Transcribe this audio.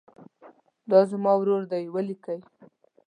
دا زما ورور دی ولیکئ.